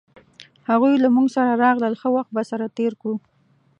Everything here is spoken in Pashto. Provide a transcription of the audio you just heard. هغوی له مونږ سره راغلل ښه وخت به سره تیر کړو